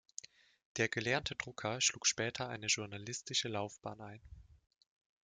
Der gelernte Drucker schlug später eine journalistische Laufbahn ein.